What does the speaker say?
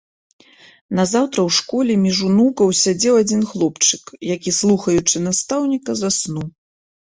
Назаўтра ў школе між унукаў сядзеў адзін хлопчык, які, слухаючы настаўніка, заснуў.